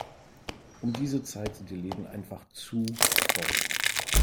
Um diese Zeit sind die Läden einfach zu voll.